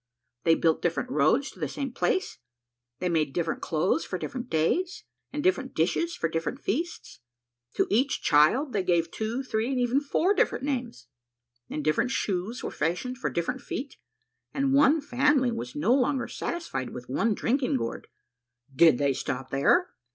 They built different roads to the same place, they made different clothes for different days, and different dishes for different feasts. To each child they gave two, three, and even four different names ; and different shoes were fashioned for different feet, and one family was no longer satisfied with one drinking gourd. Did they stop here